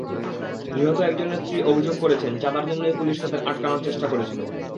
নিহত একজনের স্ত্রী অভিযোগ করেছেন, চাঁদার জন্যই পুলিশ তাঁদের আটকানোর চেষ্টা করেছিল।